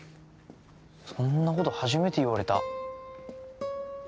そんなこと初めて言われた。